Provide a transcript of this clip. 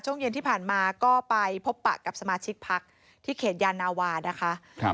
ช่วงเย็นที่ผ่านมาก็ไปพบปะกับสมาชิกพักที่เขตยานาวานะคะ